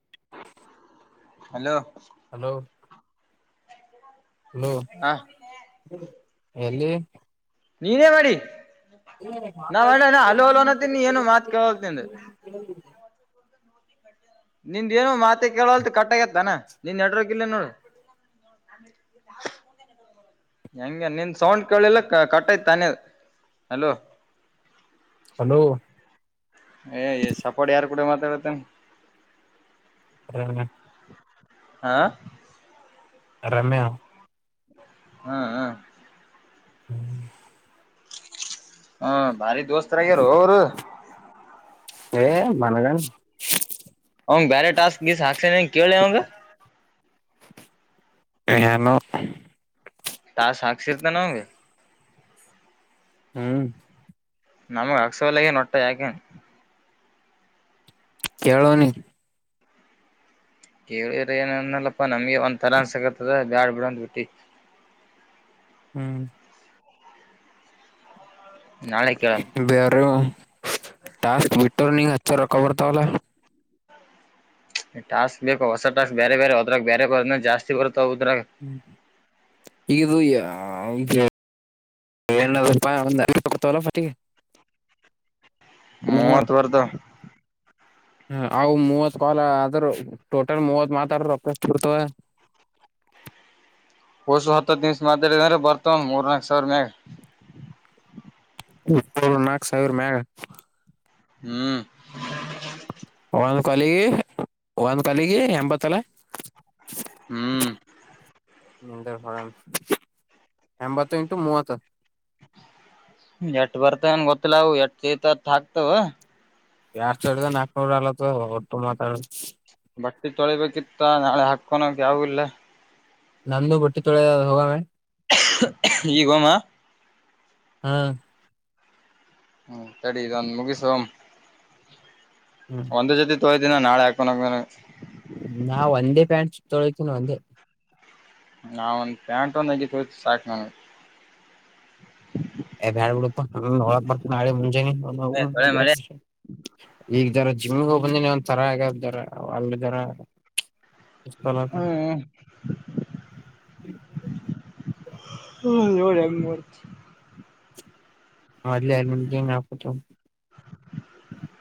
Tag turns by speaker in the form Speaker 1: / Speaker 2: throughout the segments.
Speaker 1: [inaudible]
Speaker 2: Hello
Speaker 1: hello hello
Speaker 2: ಹ
Speaker 1: ಎಲ್ಲಿ
Speaker 2: ನೀನೇ ಮಾಡಿ ನಾವ್ ಅಣ್ಣ ನಾ ಹಲೋ ಹಲೋ ಅನ್ನತ್ತೀನಿ ನೀ ಏನು ಮಾತ್ ಕೇಳಲ್ ನಿಂದು
Speaker 1: [unintelligible]
Speaker 2: ನಿಂದ ಏನು ಮಾತ ಕೇಳಲ್ತ್ ಕಟ್ಟಗ್ಯತ್ತನಾ ನಿಂದ ನೆಟ್‌ವರ್ಕ್ ಇಲ್ಲನ ನೋಡು [inaudible] ಹೆಂಗ ನಿನ್ ಸೌಂಡ್ ಕೇಳಲ್ಲ ಕಟ್ಟೈತ್ ತಾನೆ ಹಲೋ
Speaker 1: ಹಲೋ
Speaker 2: ಏ ಸಪೋಟ ಯಾರ ಕೂಡ ಮಾತಾಡತೇನೆ
Speaker 1: [unintelligible]
Speaker 2: ಹ
Speaker 1: ರಮ್ಯಾ
Speaker 2: ಹಾ ಹಾ
Speaker 1: [inaudible]
Speaker 2: ಹ್ಮ್ ಬಾರಿ ದೋಸ್ತರ ಆಗ್ಯಾರ ಅವರು
Speaker 1: ಏ ಮನಗನ್
Speaker 2: ಅವಂಗ ಬೇರೆ ಟಾಸ್ಕ್ ಗೀಸ್ ಹಾಕ್ಸನ ಕೇಳಿ ಅವಂಗ
Speaker 1: ಏನು
Speaker 2: ಯಾರ್ ಸಾಕ್ಷಿ ಇರತನ ಆವಾ
Speaker 1: ಹ್ಮ್
Speaker 2: ನಮಗೆ ಅಕ್ಸಲಗೆ ನ ಒಟ್ಟ ಯಾಕೆ
Speaker 1: ಕೇಳೋನೀ
Speaker 2: ಕೇಳಿರ ಏನಂದಲ್ಲಪ್ಪಾ ನಮ್ಗೆ ಒಂದ್ ತರಾನ್ಸಗತ್ತದ ಬ್ಯಾಡ್ ಬಿಡು ಅಂತ ಬಿಟ್ಟಿ
Speaker 1: ಹ್ಮ್
Speaker 2: ನಾಳೆ ಕೇಳಣ
Speaker 1: ಬಾರ ಟಾಸ್ಕ್ ಬಿಟರ್ನಿಂಗ್ ಅಷ್ಟೇ ರೊಕ್ಕ ಬರ್ತಾವಲ್ಲ
Speaker 2: ಟಾಸ್ಕ್ ಬೇಕು ಹೊಸಟಾಸ್ಕ್ ಬೇರೆ ಬೇರೆ ಅದಾಗ ಬೇರೆ ಇನ್ನ ಜಾಸ್ತಿ ಬರುತ್ತೆ
Speaker 1: ಹ್ಮ ಇದು ಏನಪ್ಪ ಅಂದೇ [unintelligible]
Speaker 2: ಮೂವತ್ತು ಬರ್ತಾವ
Speaker 1: ಮೂವತ್ ಕಾಲ ಆದ್ರ ಟೋಟಲ್ ಮೂವತ್ ಮಾತಾಡ್ರರು ರೊಕ್ಕ ಎಷ್ಟು ಕೊಡ್ತಾರೆ [inaudible]
Speaker 2: ಪೂರ್ತಿ ಹತ್ತು ಹದಿನೈದು ನಿಮಿಷ ಮಾತಾಡ ಅಂದ್ರ ಬರ್ತಾವನ್ ಮೂರ್ ನಾಕು ಸಾವಿರ ಮೇಲೆ
Speaker 1: ನಾಕ್ ಸಾವಿರ ಮಗ್ಯಾ
Speaker 2: ಹ್ಮ್
Speaker 1: ಒಂದು ಕಾಲಗೆ ಒಂದು ಕಾಲಿಗೆ ಎಂಬತ್ತು ಅಲ್ಲ
Speaker 2: ಹ್ಮ್
Speaker 1: ಎಂಬತ್ತು ಎಂಟು ಮೂವತ್ತು
Speaker 2: ಎಟ್ ಬರ್ತವ್ ಗೊತ್ತಿಲ್ಲ ಎಷ್ಟು ಆಗ್ತವೆ ಅಷ್ಟು ಹಾಕ್ತಾವ
Speaker 1: ಎಡ್ ಸಾವಿರದ ನಾಕನೂರ ನವತ್ತು ಒಟ್ಟು ಮಾತಾಡ
Speaker 2: ಬಟ್ಟೆ ತೊಳಿಬೇಕಿತ್ತ ನಾಳೆ ಹಾಕೊನಕ್ ಯಾವು ಇಲ್ಲ
Speaker 1: ನಂದು ಬಟ್ಟಿ ತೊಳಿ ಹೋಗ್ಯಾನ
Speaker 2: ಈಗೋಮ್ಮ
Speaker 1: ಹಾ
Speaker 2: ಹ್ಮ್ ತಡಿ ಇದನ್ ಮುಗಿಸ್ ಹೋಗಂ
Speaker 1: ಹ್ಮ್
Speaker 2: ಒಂದೇ ಜೊತಿ ತೋಳ್ದಿನ ನಾಳೆ ಹಾಕೂನಂಗಾರ
Speaker 1: ನಾ ಒಂದೇ ಪ್ಯಾಂಟ್ ತೊಳತೀನಿ ಒಂದೇ
Speaker 2: ನಾ ಒಂದ್ ಪ್ಯಾಂಟ್ ಒಂದ್ ಅಂಗಿ ತೋಳಿತ್ನ ಸಾಕ ನನ್ಗ
Speaker 1: ಏ ಬ್ಯಾಡ್ ಬಿಡೋ ಪಾ ಹೋಗಾಕ್ ಬರ್ತ ನಾಳೆ ಮುಂಜಾನೆ
Speaker 2: ಏ ತೊಳಿ ಮಲೆ
Speaker 1: [unintelligible] ಈಗ್ ಜರಾ ಜಿಮ್ಮಿಗ್ ಹೋ ಬಂದಿನಿ ಒಂದ್ ತರ ಆಗ್ದಾರ ಅಲ್ಲಿ ಜರಾ
Speaker 2: [unintelligible] ಡ್ ಹೆಂಗ್ ಮಾಡ್ತಿ.
Speaker 1: ಹಾ ಅಲ್ಲೆ ಯಾಡ್ ಮಿಂಟ್ ಗೇಮ್ ಆಡಾಕುಂತೇವ್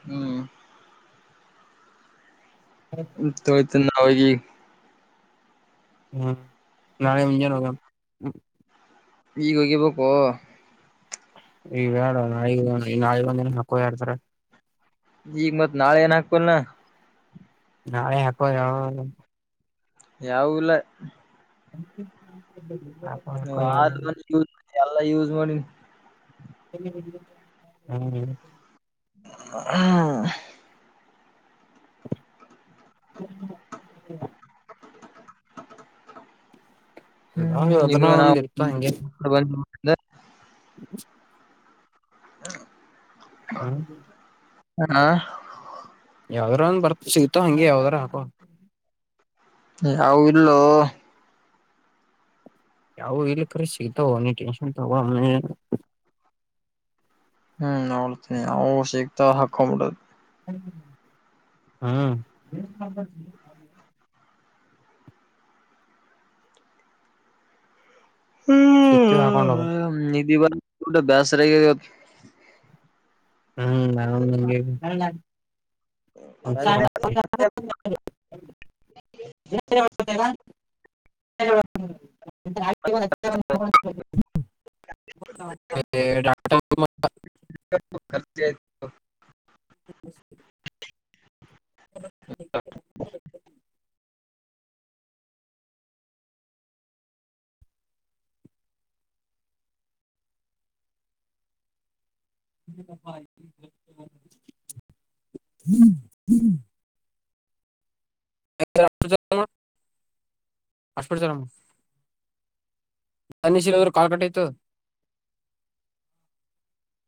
Speaker 2: ಹ್ಮ್ ತೊಳಿತನ್ ನಾ ಹೋಗಿ ಈಗ್
Speaker 1: ಹ್ಮ್ ನಾಳೆ ಮುಂಜಾನೆ ಹೋಗಂ
Speaker 2: ಈಗ ಹೋಗಿಬೇಕೋ
Speaker 1: ಈಗ್ ಬ್ಯಾಡೋ ನಾಳಿಗ್ ನಾಳಿಗೆ ಒಂದಿನ ಹಾಕೋ ಯಾಡ್ಸರಾ
Speaker 2: ಈಗ್ ಮತ್ ನಾಳೀಗ್ ಏನ್ ಹಕ್ಕೋಲ್ ನಾ
Speaker 1: ನಾಳೆ ಹಾಕೋ ಯಾವರ
Speaker 2: ಯವೂ ಇಲ್ಲ
Speaker 1: [unintelligible] ಹಾಕೋ
Speaker 2: ನೀವ್
Speaker 1: ಯಾವ
Speaker 2: ಆರ
Speaker 1: ಹ್ಮ್
Speaker 2: ಎಲ್ಲ ಯೂಸ್ ಮಾಡೀನಿ
Speaker 1: ಹ್ಮ.
Speaker 2: ಹ್ಮ
Speaker 1: [unintelligible] ನಾವ್
Speaker 2: ಹ್ಮ್
Speaker 1: ಅದನ್ನ
Speaker 2: ಇನ್ನು ಏನ
Speaker 1: ಒಂದ್ ಇರ್ತ ಹಂಗೆ
Speaker 2: [unintelligible]
Speaker 1: [inaudible]
Speaker 2: [inaudible]
Speaker 1: ಹೂಂ
Speaker 2: [unintelligible]
Speaker 1: ಯಾವ್ದ್ರ ಒಂದ ಬರ್ತ್ ಸಿಗ್ತಾವ್ ಹಂಗೆ ಯಾವ್ದಾರ ಹಾಕೋ
Speaker 2: ಯಾವು ಇಲ್ಲೋ
Speaker 1: ಯಾವು ಇಲ್ಲ ಕರೆ ಸಿಗ್ತಾವ್ [unintelligible]
Speaker 2: ಹ್ಮ್ ನೋಡ್ತನಿ ಯಾವ್ ಸಿಗ್ತಾವ್ ಹಕ್ಕೊಂಬಿಡೋದ
Speaker 1: ಹೂಂ ಸಿಕ್ಕಿವ್ ಹಕ್ಕೊಂಡೊಗೋದ
Speaker 2: ಹ್ಮ್ [unintelligible]
Speaker 1: ಹ್ಮ್ [unintelligible] [unintelligible] [unintelligible] [unintelligible]
Speaker 2: [unintelligible]
Speaker 1: [inaudible] [unintelligible] [unintelligible] [unintelligible] ನಂದೀಶ್ವರ ಕಾಲ್ಕಟ್ಟ ಆಯ್ತು